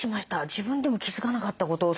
自分でも気付かなかったことを。